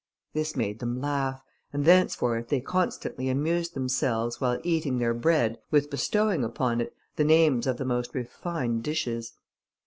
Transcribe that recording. This made them laugh, and thenceforth they constantly amused themselves, while eating their bread, with bestowing upon it the names of the most refined dishes.